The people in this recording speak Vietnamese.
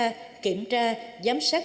kiểm tra kiểm tra giám sát